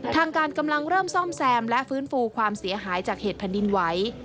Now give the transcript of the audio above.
ทางการกำลังเริ่มซ่อมแซมและฟื้นฟูความเสียหายจากเหตุแผ่นดินไหว